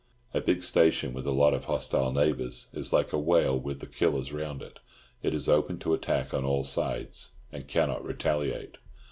A big station with a lot of hostile neighbours is like a whale with the killers round it; it is open to attack on all sides, and cannot retaliate.